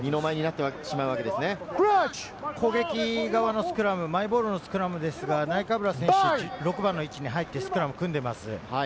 攻撃側のスクラム、マイボールスクラムですが、ナイカブラ選手、６番の位置に入ってスクラムを組んでます。